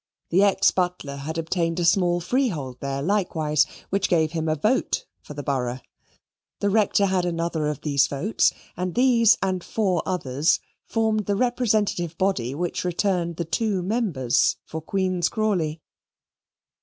The ex butler had obtained a small freehold there likewise, which gave him a vote for the borough. The Rector had another of these votes, and these and four others formed the representative body which returned the two members for Queen's Crawley.